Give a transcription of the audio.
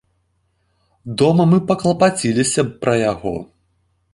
Дома мы паклапаціліся б пра яго.